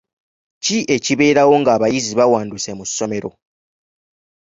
Ki ekibeerawo ng'abayizi bawanduse mu ssomero?